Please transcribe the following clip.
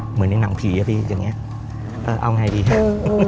เหมือนในหนังผีอะพี่อย่างเงี้ยเออเอาง่ายดีเออเออ